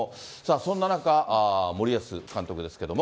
そんな中、森保監督ですけれども。